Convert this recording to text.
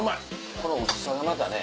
この薄さがまたね